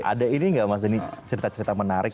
ada ini nggak mas denny cerita cerita menarik